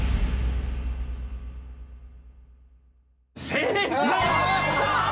正解！